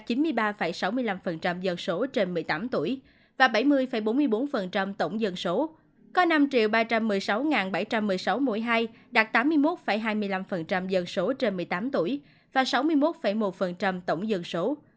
tổng dân số tổng dân số có năm ba trăm một mươi sáu bảy trăm một mươi sáu mũi hai đạt tám mươi một hai mươi năm dân số trên một mươi tám tuổi và sáu mươi một một tổng dân số